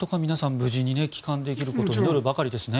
無事に帰還できることを祈るばかりですね。